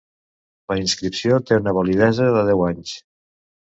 La inscripció té una validesa de deu anys.